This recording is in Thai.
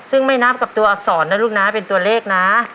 ซึ่งไม่นับกับตัวอักษรนะลูกนะเป็นตัวเลขนะ